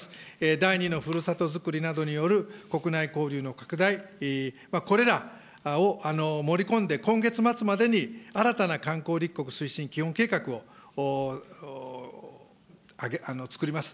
第２のふるさとづくりなどによる国内交流の拡大、これらを盛り込んで、今月末までに新たな観光立国推進基本計画を作ります。